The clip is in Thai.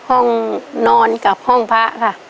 ห้องนอนกับห้องพระค่ะ